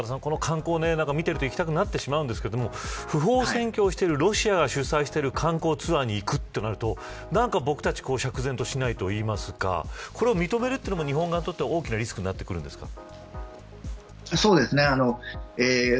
こういう観光を見ていると行きたくなりますが不法占拠しているロシアが主催している観光ツアーに行くとなると何か僕たちは釈然としないといいますか、これを認めるというのも日本側にとっては大きなリスクにそうですね。